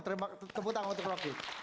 temuk tangan untuk rocky